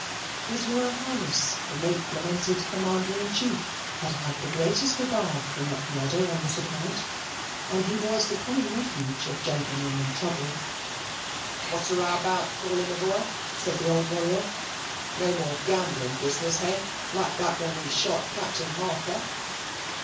His Royal Highness the late lamented Commander in Chief had had the greatest regard for Macmurdo on this account, and he was the common refuge of gentlemen in trouble. "What's the row about, Crawley, my boy?" said the old warrior. "No more gambling business, hay, like that when we shot Captain Marker?"